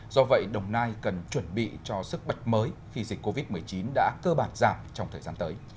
do vậy đồng nai cần chuẩn bị cho sức bật mới khi dịch covid một mươi chín đã cơ bản giảm trong thời gian tới